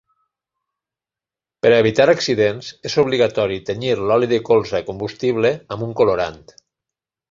Per a evitar accidents és obligatori tenyir l'oli de colza combustible amb un colorant.